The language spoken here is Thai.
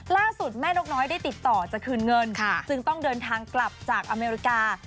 ล่าสุดแม่นกน้อยได้ติดต่อจะคืนเงินจึงต้องเดินทางกลับจากอเมริกา